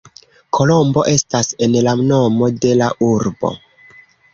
Kolombo estas en la nomo de la urbo.